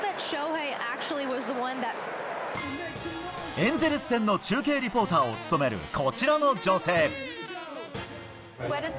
エンゼルス戦の中継リポーターを務めるこちらの女性。